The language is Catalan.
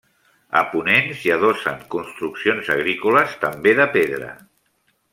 A ponent s'hi adossen construccions agrícoles, també de pedra.